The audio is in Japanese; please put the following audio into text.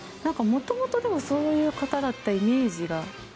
もともとそういう方だったイメージが。